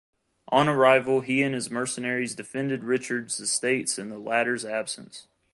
On arrival he and his mercenaries defended Richard's estates in the latter's absence.